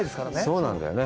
そうなんだよね。